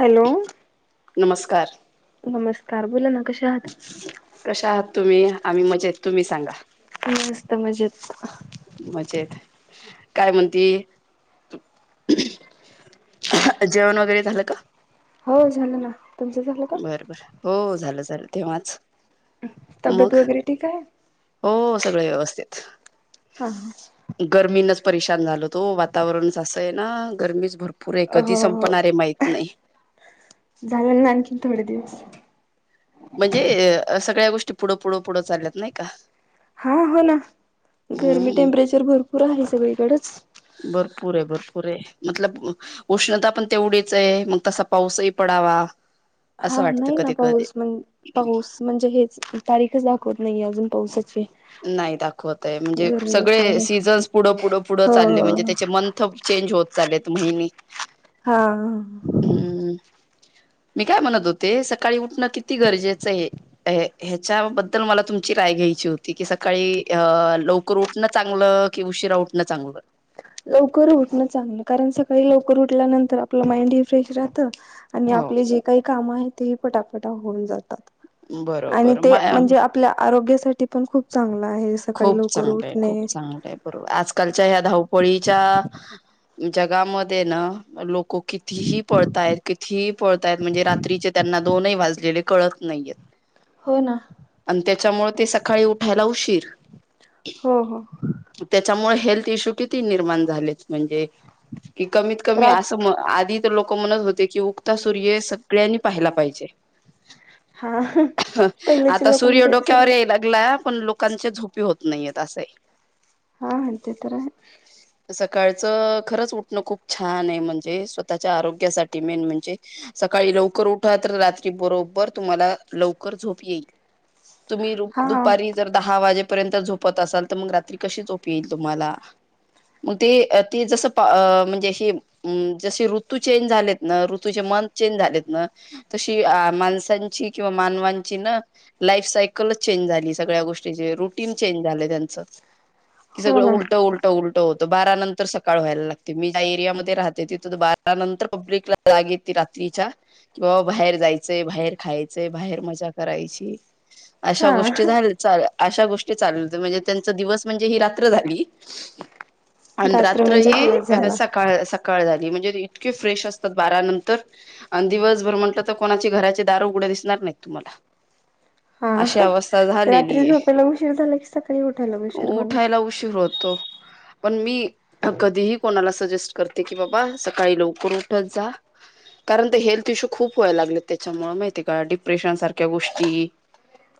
Hello नमस्कार नमस्कार बोला ना कशा आत कश आहात तुम्ही आम्ही मजेत तुम्ही सांगा मस्त मजा येत मज येत काय म्हणती जेवण वगैरे झालं का हो झालं ना तुमचं झालं का? बरबर हो झालं झालं तेव्हाच तब्येत मग वगैरे ठीक आहे हो सगळे व्यवस्थित हा हा गर्मीनच परशान झाल तो वातावरणच असं आहे ना गर्मीच भरपूर पुरे कधी हो हो संपणारे माहितत नाही झालं ना आणखीन थोडे दिवस म्हणजे सगळ्या गोष्टी पुढं पुढं पुढं चालल्यात नाही का हा हो ना गरमी हम्म टेम्परेचर भरपूर आहे सगळीकडेच भरपूर आहे भरपूर आहे मतलब उष्णता पण तेवढीच आहे मग तसा पाऊसही पडावा हा असं वाटतं नाही ना कधी कधी पाऊस म्हण पाऊस म्हणजे हेच तारीखच दाखवत नाहीे अजून पावसाचे नाही दाखवतय म्हणजे सगळे आहे. सीझन्स पुढं पुढ पुढं हो चालले म्हणजे हो त्याचे म चेंज होत चालेत महि हा, हं हं. हं. मी काय म्हणत होते, सकाळी उठणं किती गरजेचं ये? ये ह्याच्याबद्दल मला तुमची राय घ्यायची होती. की सकाळी अ लवकर उठणं चांगलं, कि उशिरा उठणं चांगलं? लवकर उठणं चांगलं. कारण सकाळी लवकर उठल्यानंतर आपलं माइंड हि फ्रेश राहतं, आणि हो आपले जे काही काम आहे ते पटापटा होऊन जातात. आणि बरोबर म ते म्हणजे आप पल्या आरोग्यासाठी पण खूप चांगलं आहे. सकाळी खूप लवकर चांगलंये, उठणे. खूप चांगलंये. बरोबर, आजकालच्या ह्या धावपळीच्या जगामध्ये ना लोक हो कितीही पळताय कितीही पळतायत. म्हणजे रात्रीचे त्यांना दोनही वाजलेले कळत नाहीयेत. हो ना. अन त्याच्यामुळे ते सकाळी उठायला उशीर. हो हो. त्याच्यामुळे हेल्थ इश्यू किती निर्माण झालेत. म्हणजे, की कमीत कमी रात असं म आधीच लोक म्हणत होते की उगता सूर्य सगळ्यांनी पाहायला पाहिजे. हा पहिलेचे आता लोक सूर्य म्हणजे डोक्यावर सगळ येईल गला पण लोकांच्या झोपी होत नाहीयेत. असये. हा हां. ते तर आहेच. सकाळचं खरंच उठणं खूप छान आहे. म्हणजे स्वतःच्या आरोग्यासाठी मेन म्हणजे. सकाळी लवकर उठा, तर रात्री बरोबर तुम्हाला लवकर झोप येईल. तुम्ही र हा दुपारी जर दहा वाजेपर्यंत झोपत असाल, तर मग रात्री कशी झोप येईल तुम्हाला? मग ते ती जसं पा अं म्हणजे अशी अं जशी ऋतू चेंज झालेत ना ऋतूचे मंथ चेंज झालेत ना तशी अ माणसांची किंवा मानवांची ना लाईफ सायकलच चेंज झाली. सगळ्या गोष्टीचे रूट टिन चेंज झाल त्यांच. हो सगळं ना उलट उल उलट उलट होत. बारा नंतर सकाळ व्हायला लागते. मी ज्या एरियामध्ये राहते, तिथं तर बारा नंतर पब्लिक ला जाग येती रात्रीच्या. कि बाबा बाहेर जायचंय, बाहेर खायचंय, बाहेर मजा करायची. अशा हा गोष्टी झाल्या चाल अशा गोष्टी चालुत. म्हणजे त्यांचा दिवस म्हणजे ही रात्र झाली, अन रात्र म्हणजे ही दिवस अ झाला सकाळ सका काळ झाली. म्हणजे इतके फ्रेश असतात बारानंतर अन दिवसभर म्हंटलं तर, कोणाची घराचे दार उघड दिसणार नाहीत तुम्हाला. अशी अवस्था झालेली ये. ला उशीर झाला, की सकाळी उठायला वेळ उठायला उशीर होतो. पण मी कधीही कोणाला सजेस्ट करते, की बाबा सकाळी लवकर उठत जा. कारण ते हेल्थ इश्यू खूप व्हायला लागले त्याच्यामुळे, माहितीय का? डिप्रेशन सारख्या गोष्टी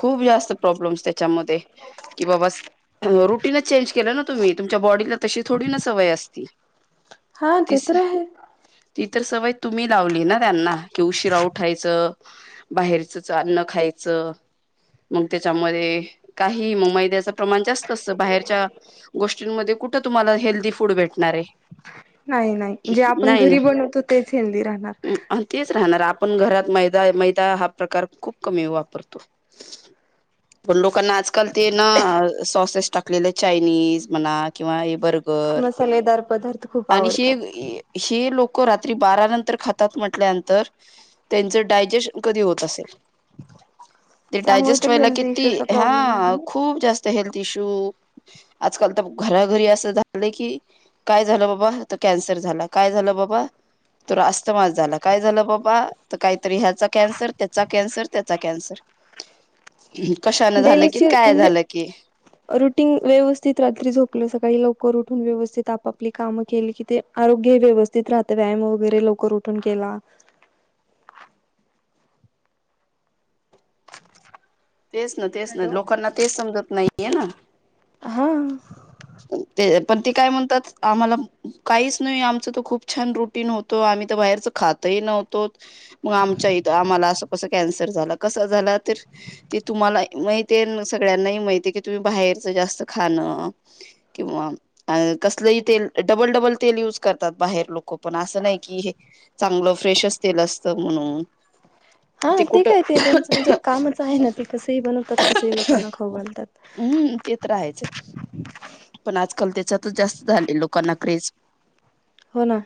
खूप जास्त प्रॉब्लेम्स त्याच्यामध्ये. कि बाबा रुटीनच चेंज केलं ना तुम्ही. तुमच्या बॉडीला तशी थोडी ना सवय असती. हा ती ते तर स, आहे. ती तर सवय तुम्ही लावली ना त्यांना. की उशिरा उठायचं, बाहेरचच अन्न खायचं, मग त्याच्यामध्ये काहीही. म मैद्याचं प्रमाण जास्त असतं बाहेरच्या गोष्टींमध्ये कुठं तुम्हाला हेल्दी फूड भेटणार आहे? नाही नाही. जे आपण घरी बनवतो तेच हेल्दी राहणार. अन तेच राहणार. आपण घरात मैदा मैदा हा प्रकार खूप कमी वापरतो. पण लोकांना आज काल ते ना सॉसेस टाकलेले चायनीज म्हणा किंवा हे बर् गर मसालेदार पदार्थ खूप आणि हे आवडतात हे लोक रात्री बारा नंतर खातात म्हटल्यानंतर त्यांचं डायजेशन कधी होत असेल ते त्यामुळे डायजेस्ट तर व्हायला हेल्थ किती इश्यूचा प्रॉब्लेम हा आहे ना. खूप जास्त हेल्थ इश्यू आजकाल तर घराघरी असं झालं की काय झालं बाबा त कॅन्सर झाला काय झालं बाबा तो आस्तमास झाला काय झालं बाबा तर काहीतरी ह्याचा कॅन्सर त्याचा कॅन्सर त्याचा कॅन्सर कशाानं झालं कि डेलीची काय म्हणजे झालं की रुटीन व्यवस्थित रात्री झोपलं सकाळी लवकर उठून व्यवस्थित आपापली कामं केली कि ते आरोग्य हे व्यवस्थित राहतं व्यायाम वगैरे लवकर उठून केला. तेच ना तेच ना हॅलो लोकांना तेच समजत नाहीये ना. हा. ते पण ते काय म्हणतात आम्हाला काहीच नाही आमच तो खूप छान रु होतो आम्ही तर बाहेरच खातही नव्हतो. मग आमच्या इथ आम्हाला असं कस कॅन्सर झाला कस झालं तर. ते तुम्हाला माहित सगळ्यांनाही माहिती की तुम्ही बाहेरच जास्त खाणं. किंवा अ कसलही तेल डबल डबल तेल युज करतात बाहेर लोक पण असं नाही की हे चांगलं फ्रेश अस तेल असत म्हणून. हा ते काय ते त्यांचं म्हणजे कामच आहे ना ते कसही बनवतात. कसाही लोकांना खाऊ म्हणतात. हम्म ते तर राहायचंय पण आजकाल त्याच्यात जास्त झाले लोकांना क्रेज. हो ना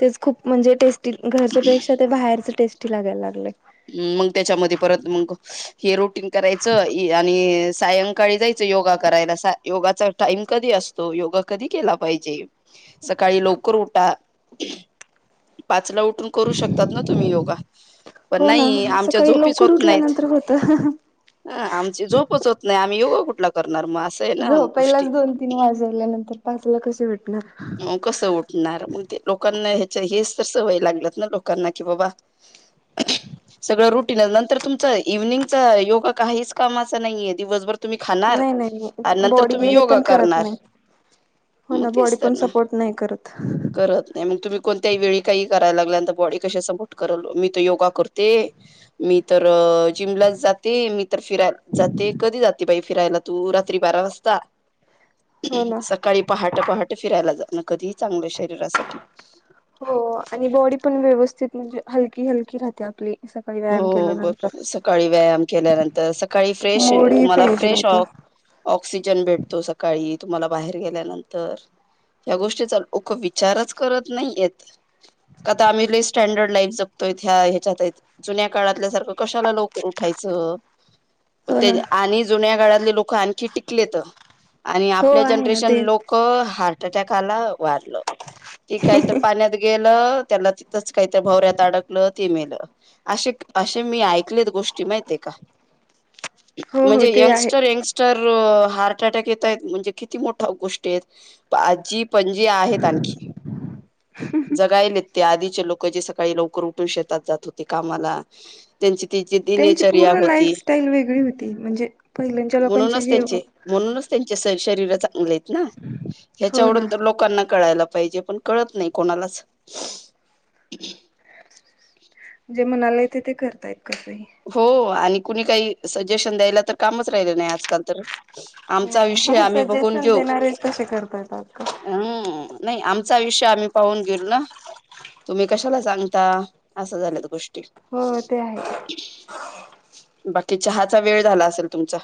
तेच खूप म्हणजे टेस्टी घरच्या पेक्षा ते बाहेरच टेस्टी लागायला लागले. मग त्याच्यामध्ये परत मग हे रोटीन करायचं आणि सायं सकाळी जायचं योगा करायला योगाचा टाइम कधी असतो योगा कधी केला पाहिजे. सकाळी लवकर उठा पाचला उठून. करू शकतात ना तुम्ही योगा पण हो ना नाही आमच्या सकाळी झोपीच लवकर होत नाहीत. उठल्यानंतर होत ह आमची झोपच होत नाही आम्ही योगा कुठला करणार मग अस. झोपायलाच दोन तीन वाजल्यानंतर पाचला कसे उठणार. मग कसं उठणार मग ते लोकांना ह्याच्या हेच तर सवय लागलत ना लोकांना कि बाबा सगळं रुटीन नंतर तुमच इव्हनिंगचा योगा काहीच कामाचा नाहीये दिवसभर तुम्ही खाणार नाही नाही नाही आणि नंतर बॉडी तुम्ही हे योगा पण करत करणार. नाही हो मग ना तेच बॉडी तर पण ना सपोर्ट नाही करत. करत नाही मग तुम्ही कोणत्याही वेळी काहीही कराय लागल्यानंतर बॉडी कशी सपोर्ट करींल मी योगा करते मी तर जिमलाच जाते मी तर फिराय जाते कधी जाते बाई फिरायला तू रात्री बारा वाजता. हो ना सकाळी पहाट पहाट फिरायला जाण कधीही चांगलं शरीरासाठी हो आणि बॉडी पण व्यवस्थित म्हणजे हलकी हलकी राहते आपली सकाळी हो व्यायाम हो ब केल्यानंतर सकाळी व्यायाम केल्यानंतर सकाळी फ्रेश मूड ही तुम्हाला फ्रेश आ राहतो ऑक्सिजन भेटतो सकाळी तुम्हाला बाहेर गेल्यानंतर या गोष्टीचा लोक विचारच करत नाही येत आता आम्ही लैय स्टँडर्ड लाईफ जगतोय्या ह्याच्यात जुन्या काळातल्या सारखं कशाला लवकर उठायचं पण हो ते ना आणि जुन्या काळातले लोक आणखी टिकलेत आणि हो आपल्या आहे ना जनरेशन ते लोक ओ ह हार्ट अटॅकला वारल ते काही तर पाण्यात गेलं त्याला तिथच काहीतरी भवऱ्यात अडकलं ते मेल असे असे मी ऐकलेत गोष्टी माहिित आहे का हो हो म्हणजे ते आहे यंगस्टर यंगस् तर हार्ट अटॅक येतय म्हणजे किती मोठ्या गोष्टी आहेत आजी पणजी आहेत आणखी जगायले ते आधीचे लोक जे सकाळी लवकर उठून शेतात जात होते कामाला त्यांची ती जी त्यांची दिनेचर्या पूर्ण होती लाईफस्टाईल वेगळी होती म्हणजे पहिल्यांच्या लोकांचे म्हणूनच जे त्यांचे. म्हणूनच त्यांचे शरीर चांगले आहेत ना हो ना ह्याच्याकडून तर लोकांना कळायला पाहिजे पण. कळत नाही कोणालाच. जे म्हणाला येते ते करताय कसंही. हो आणि कुणी काही सजेशन द्यायला तर कामच राहिल नाही आजकाल तर. आमचा विषय आम्ही बघून सजेशन देणारेच कसे करतायेत आता. हम्म! नाही आमचा आयुष्य आम्ही पाहून गेलो ना. तुम्ही कशाला सांगता असं झालंत गोष्टी. हो ते आहे. ह [unintelligible] बाकी चहाचा वेळ झाला असेल तुमचा.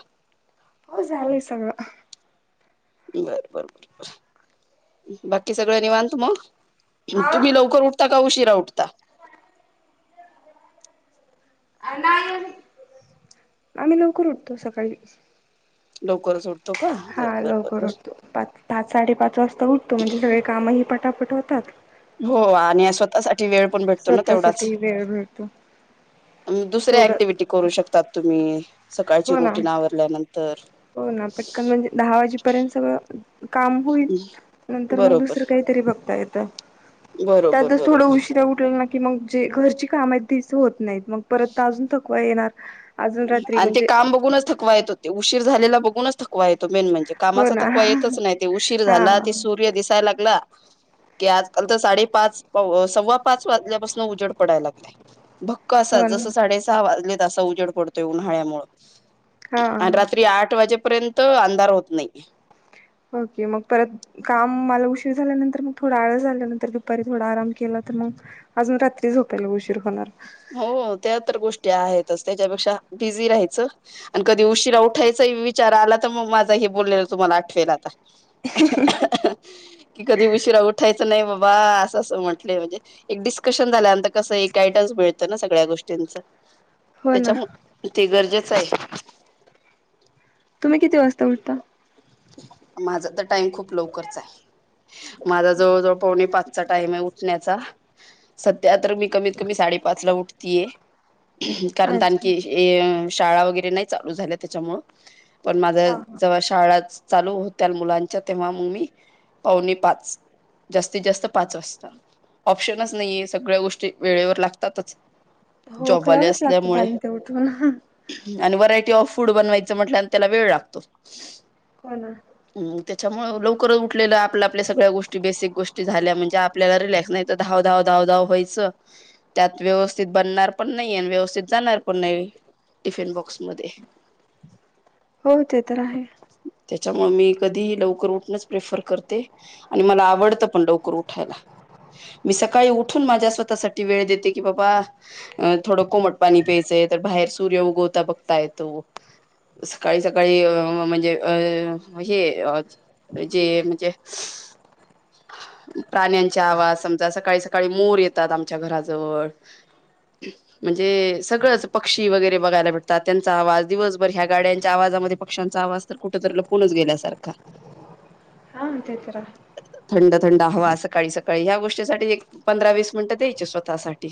हो झालंय सगळ. बर बर बर. बाकी सगळं निवात मग तुम्ही लवकर उठता का उशिरा उठता. आ नाही अजून. आम्ही लवकर उठतो सकाळी. [inaudible] उठतो का हा बर बर बर लवकर बर उठतो पाच पाच साडेपाच वाजता उठतो म्हणजे सगळे. कामंही पटापट होतात हो आणि स्वतःसाठी. वेळ पण भेटतो ना तेवढाच स्वतःसाठी वेळ भेटतो दुसऱ्या तेवढं ऍक्टिव्हटी करू शकतो. म्हणतात तुम्ही सकाळची रुटीन आवरल्यानंतर होना पटकन म्हणजे दहा वाजेपर्यंत सगळ काम होईल नंतर मग बरोबर दुसर काही ते तरी बघता येत बरोबर त्यातच थोड बरोबर उशीरा उठल. कि मग जे घरची काम आहेत तच होत नाहीत मग परत त अजून थकवा येणार. अजून रात्री आणि ते म्हणजे काम बघूनच थवा येतो ते उशीर झालेला बघूनच थवा येतो मेन म्हणजे. हो कामाचा ना थकवा येतच नाही ते उशीर हा झाला त सूर्य दिसायला लागला. की आजकाल तर साडेपाच सव्वा पाच वाजल्यापासून उजड पडायला लागलाय भक्क असा हो ना जसं साडे सहा वाजले तसा उजड पडतोय उन्हाळ्यामुळ. हा आणि रात्री आठ वाजेपर्यंत अंधार होत नाही. ओके मग परत काम मला उशीर झाल्यानंतर मग थोडा आळ झाल्यानंतर दुपारी थोडा आराम केला तर मग. अजून रात्री झोपायला उशीर होणार. हो त्या तर गोष्टी आहेतच त्याच्यापेक्षा बिझी राहायचं. आणि कधी उशिरा उठायचा विचार आला तर मग माझा हे बोललेला तुम्हाला आठवेल आता. [unintelligible] कि कधी उशीिरावुट ायचं नाही बाबा असं असं म्हटलं म्हणजे एक डिस्कशन झाल्यानंतर कसं एकयडम्स मिळत. ना सगळ्या गोष्टींच हो ना त्याच्या ते गरजेचं आहे. तुम्ही किती वाजता उठता माझा तर टाइम खूप लवकरच आहे. माझा जवळ जवळ पावणे पाचचा टाइम आहे उठण्याचा. सध्या तर मी कमीत कमी साडेपाच ला उठतेये कारण अच्छा आणखी शाळा वगैरे नाही चालू झाल्या त्याच्यामुळ पण माझ हा हा. जव्हा शाळा चालू होत मुलांच्या तेव्हा मग मी पावणी पाच जास्तीत जास्त पाच वाजता. ऑप्शनच नाहीये सगळ्या गोष्टी वेळेवर लागतातच. हो जॉबवाले करावंच असल्यामुळे लागतंनी ते उठून. आणि व्हरायटी ऑफ फूड बनवायचं म्हटल्या आणि त्याला वेळ लागतो. हो ना. हम त्याच्यामुळे लवकरच उठले आपल्या आपल्या सगळ्या गोष्टी बेसिक गोष्टी झाल्या म्हणजे. आपल्याला रिलॅक्स नाही धा धा धाव धाव वयचं. त्यात व्यवस्थित बनणार पण नाही आणि व्यवस्थित जाणार पण नाही टिफिन बॉक्स मध्ये हो ते तर आहे त्याच्यामुळे मी कधीही लवकर उठणच प्रेफर करते आणि मला आवडतं पण लवकर उठायला मी सकाळी उठून माझ्या स्वतःसाठी वेळ देते की बाबा अं थोडं कोमट पाणी प्यायचंय तर बाहेर सूर्य उगवता बघता येतो सकाळी सकाळी अ म्हणजे अ हे ओज जे म्हणजे [unintelligible] प्राण्यांच्या आवाज समजा सकाळी सकाळी मोर येतात आमच्या घराजवळ ह म्हणजे सगळंच पक्षी वगैरे बघायला भेटतात त्यांचा आवाज दिवसभर ह्या गाड्यांच्या आवाजामध्ये पक्ष्यांचा आवाज तर कुठंतरी ल पुणच गेल्यासारखा हाचचरा थंड थंड हवा सकाळी सकाळी ह्या गोष्टीसाठी एक पंधरा वीस मिनिटं द्यायची स्वतःसाठी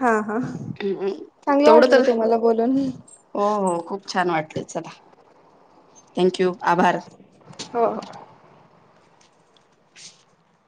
हा हा चांगलं तेवढं वाटलं तर तुम्हाला बोलून हो हो खूप छान वाटलं चला थँक्यू आभार हो हो